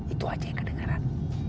itu saja yang kedengaran